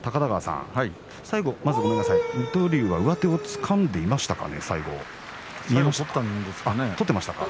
最後、水戸龍は上手をつかんでいましたか？